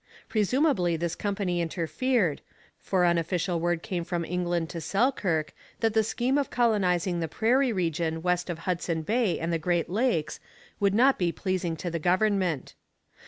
Presumably this company interfered, for unofficial word came from England to Selkirk that the scheme of colonizing the prairie region west of Hudson Bay and the Great Lakes would not be pleasing to the government.